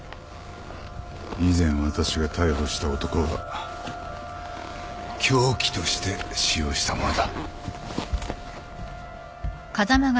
以前私が逮捕した男が凶器として使用した物だ。